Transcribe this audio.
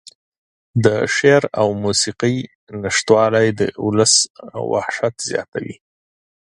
د شعر او موسيقۍ نشتوالى د اولس وحشت زياتوي.